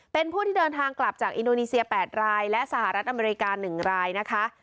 เป็นผู้ที่เดินทางกลับจากอินโดนีเซีย๘รายและสหรัฐอเมริกา๑รายนะคะ